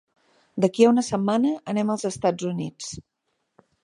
D'aquí a una setmana anem als Estats Units.